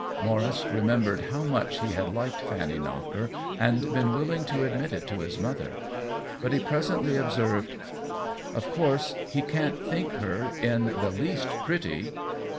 Maurice remembered how much he had liked Fanny Knocker and been willing to admit it to his mother ; but he presently ob served, " Of course he can't think her in the least pretty."